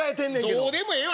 どうでもええわ！